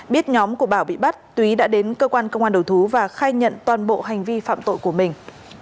biết nhóm của bảo bị bắt túy đã đến cơ quan công an đầu thú và khai nhận toàn bộ hành vi phạm tội của mình